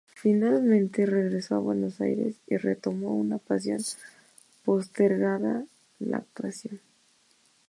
Finalmente regresó a Buenos Aires y retomó una pasión postergada: la actuación.